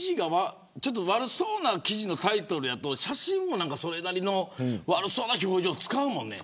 悪そうな記事のタイトルだと写真も悪そうな表情使うもんね。